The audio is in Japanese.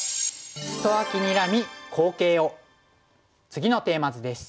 次のテーマ図です。